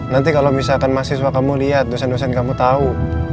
nanti kalau misalkan mahasiswa kamu lihat dosen dosen kamu tahu